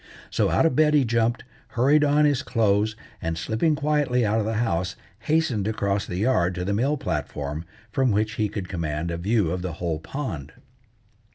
So out of bed he jumped, hurried on his clothes, and slipping quietly out of the house, hastened across the yard to the mill platform, from which he could command a view of the whole pond.